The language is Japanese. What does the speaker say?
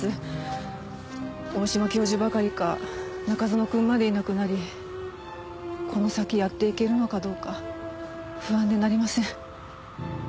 大島教授ばかりか中園くんまでいなくなりこの先やっていけるのかどうか不安でなりません。